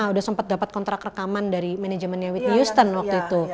udah sempat dapat kontrak rekaman dari manajemennya with houston waktu itu